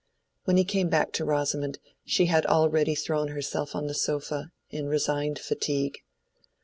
When he came back to Rosamond, she had already thrown herself on the sofa, in resigned fatigue.